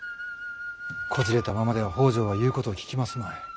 こじれたままでは北条は言うことを聞きますまい。